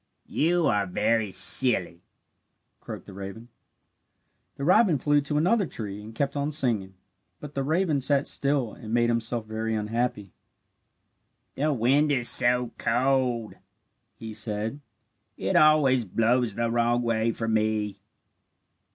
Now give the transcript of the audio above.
"You are very silly," croaked the raven. The robin flew to another tree and kept on singing; but the raven sat still and made himself very unhappy. "The wind is so cold," he said. "It always blows the wrong way for me."